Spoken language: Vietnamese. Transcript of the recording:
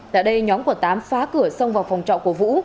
tại đây nhóm của tám phá cửa xông vào phòng trọ của vũ